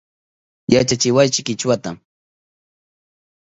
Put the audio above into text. Yachachiwaychi Kichwata